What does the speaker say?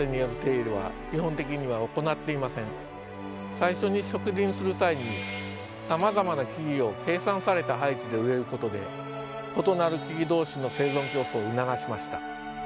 最初に植林する際にさまざまな木々を計算された配置で植えることで異なる木々同士の生存競争を促しました。